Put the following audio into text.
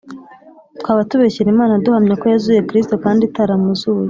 twaba tubeshyera Imana duhamya ko yazuye Kristo kandi itaramuzuye